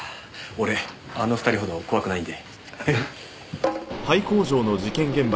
俺あの２人ほど怖くないんで。